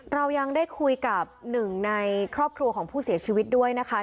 เรายังได้คุยกับหนึ่งในครอบครัวของผู้เสียชีวิตด้วยนะคะ